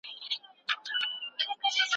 له هماغو قصو څخه بايد خلک درس او عبرت واخلي.